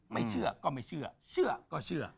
ไม่เชื่อก็ไม่เชื่อเชื่อก็เชื่อ